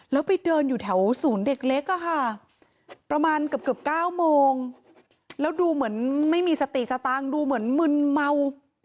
แล้วไปเดินอยู่แถวศูนย์เด็กเล็กอะค่ะประมาณเกือบ๙โมงแล้วดูเหมือนไม่มีสติสตางค์ดูเหมือนมึนเมา